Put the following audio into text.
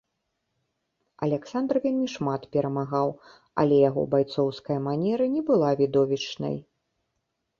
Аляксандр вельмі шмат перамагаў, але яго байцоўская манера не была відовішчнай.